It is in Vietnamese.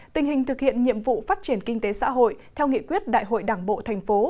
tình hình thực hiện nhiệm vụ phát triển kinh tế xã hội theo nghị quyết đại hội đảng bộ thành phố